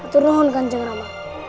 turunkan jeng rama